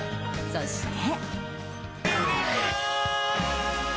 そして。